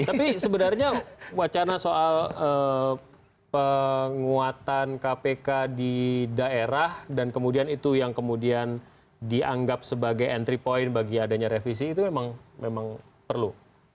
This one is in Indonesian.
tapi sebenarnya wacana soal penguatan kpk di daerah dan kemudian itu yang kemudian dianggap sebagai entry point bagi adanya revisi itu memang perlu